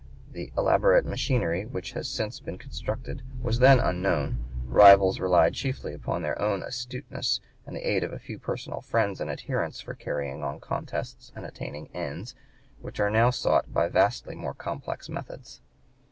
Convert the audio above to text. The elaborate machinery which has since been constructed was then unknown; rivals relied chiefly upon their own astuteness and the aid of a few personal friends and adherents for carrying on contests and attaining ends which are now sought by vastly more complex methods.